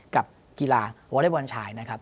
กับกีฬาวอเล็กบอลชายนะครับ